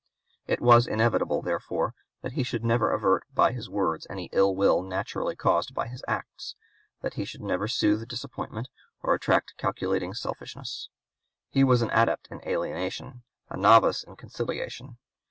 It was inevitable, therefore, that he should never avert by his words any ill will naturally caused by his acts; that he should never soothe disappointment, or attract calculating selfishness. He was an adept in alienation, a novice in conciliation.